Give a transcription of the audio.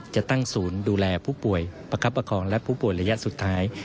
จะตั้งศูนย์ดูแลผู้ป่วยประคับประคองและผู้ป่วยระยะสุดท้าย